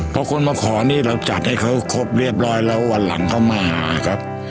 พอคนมาขอนี่เราจัดให้เขาครบเรียบร้อยแล้ววันหลังเขามาหาครับ